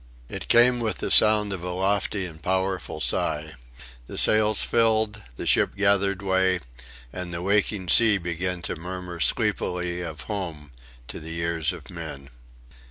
It came with the sound of a lofty and powerful sigh. The sails filled, the ship gathered way, and the waking sea began to murmur sleepily of home to the ears of men.